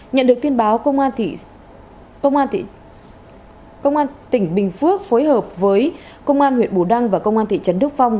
nhận được tin báo công an tỉnh bình phước phối hợp với công an huyện bù đăng và công an thị trấn đức phong